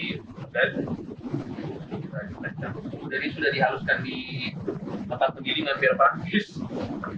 jadi sudah dihaluskan di tempat kemilingan biar praktis